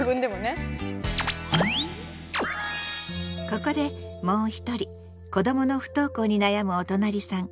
ここでもう一人子どもの不登校に悩むおとなりさん